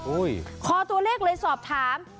คอตัวเลขเลยสอบถาม